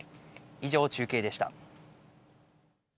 以上、中継でした。